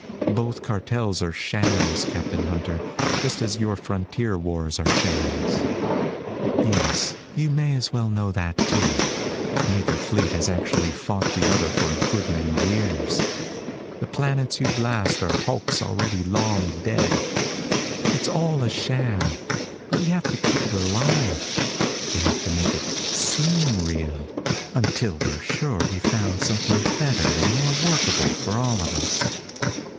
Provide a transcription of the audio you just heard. Both cartels are shams, Captain Hunter, just as your frontier wars are shams. "Yes, you may as well know that, too. Neither fleet has actually fought the other for a good many years. The planets you blast are hulks already long dead. It's all a sham, but we have to keep it alive. We have to make it seem real until we're sure we've found something better and more workable for all of us."